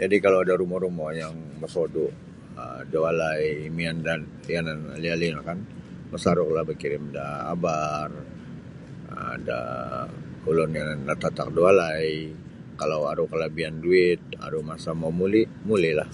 Jadi kalau ada rumo-rumo yang mosodu um da walai mian da yanan liali no kan masaruklah bakirim da abar da ulun yang natatak da walai kalau aru kalabian duit aru masa mau muli muli lah.